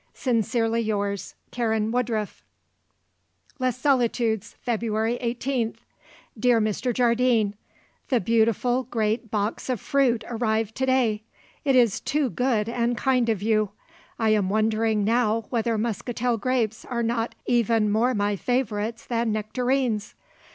Sincerely yours, "Karen Woodruff." "Les Solitudes, "February 18th. "Dear Mr. Jardine, The beautiful great box of fruit arrived to day. It is too good and kind of you. I am wondering now whether muscatel grapes are not even more my favourites than nectarines!